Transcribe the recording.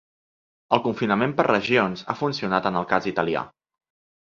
El confinament per regions ha funcionat en el cas italià.